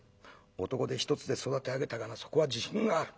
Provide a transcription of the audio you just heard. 男手一つで育て上げたがなそこは自信がある。